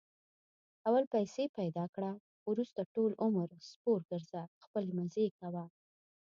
اول پیسې پیدا کړه، ورسته ټول عمر سپورګرځه خپلې مزې کوه.